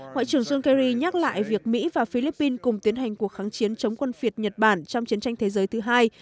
ngoại trưởng jung kei nhắc lại việc mỹ và philippines cùng tiến hành cuộc kháng chiến chống quân việt nhật bản trong chiến tranh thế giới thứ hai